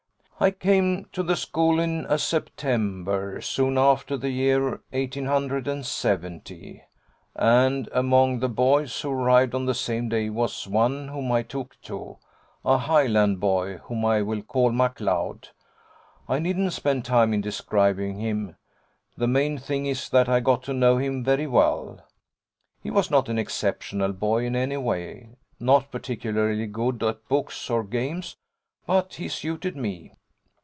'I came to the school in a September, soon after the year 1870; and among the boys who arrived on the same day was one whom I took to: a Highland boy, whom I will call McLeod. I needn't spend time in describing him: the main thing is that I got to know him very well. He was not an exceptional boy in any way not particularly good at books or games but he suited me.